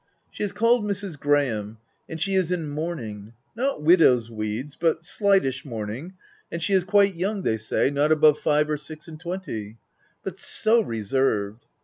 She is called Mrs. Graham, and she is in mourning — not widow's weeds, but slightish mourning — and she is quite young, they say, — not above five or six and twenty, — but so reserved